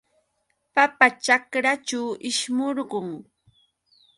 Papa ćhakraćhu ishmurqun.